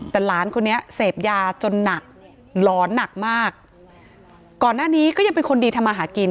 แต่หลานคนนี้เสพยาจนหนักหลอนหนักมากก่อนหน้านี้ก็ยังเป็นคนดีทำมาหากิน